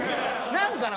何かな